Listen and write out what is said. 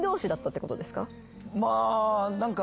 まあ何か。